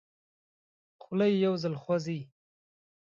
خوله یو ځل خوځي.